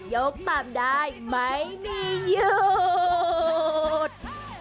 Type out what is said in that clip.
ยกตามได้ไม่มีหยุด